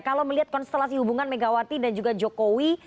kalau melihat konstelasi hubungan megawati dan juga jokowi